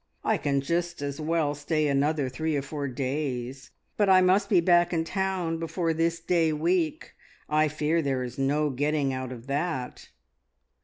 I can just as well stay another three or four days, but I must be back in town before this day week. I fear there is no getting out of that."